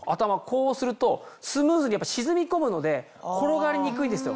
こうするとスムーズに沈み込むので転がりにくいんですよ。